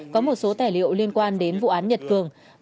có một số tài liệu liên quan đến vụ án nhật cường